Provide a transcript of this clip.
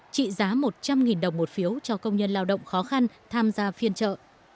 trị giá một trăm linh đồng một phiếu cho công nhân lao động khó khăn tham gia phiên trợ